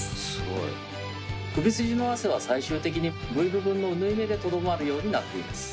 首筋の汗は最終的にＶ部分の縫い目でとどまるようになっています。